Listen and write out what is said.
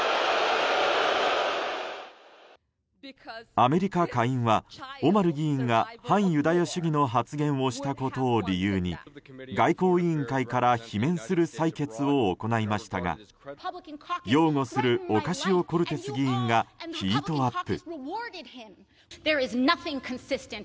アメリカ下院はオマル議員が反ユダヤ主義の発言をしたことを理由に外交委員会から罷免する採決を行いましたが擁護するオカシオ・コルテス議員がヒートアップ。